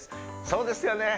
そうですよね